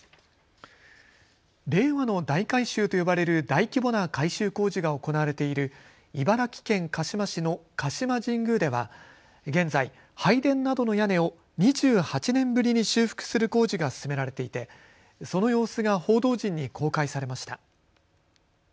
令和の大改修と呼ばれる大規模な改修工事が行われている茨城県鹿嶋市の鹿島神宮では現在、拝殿などの屋根を２８年ぶりに修復する工事が進められていてその様子が報道陣に公開されました。